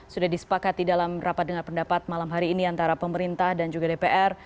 sudah disepakati dalam rapat dengan pendapat malam hari ini antara pemerintah dan juga dpr